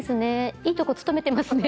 「いいとこ勤めてますね」